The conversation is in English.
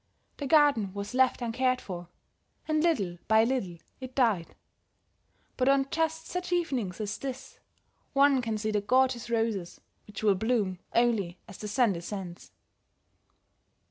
The garden was left uncared for, and little by little it died; but on just such evenings as this, one can see the gorgeous roses, which will bloom only as the sun descends."